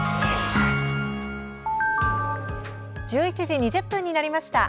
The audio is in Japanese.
１１時２０分になりました。